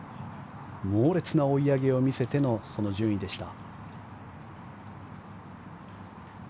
猛烈な追い上げを見せてのその順位でした。